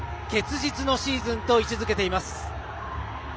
結実のシーズンと位置づけています。